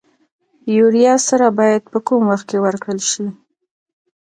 یوریا سره باید په کوم وخت کې ورکړل شي؟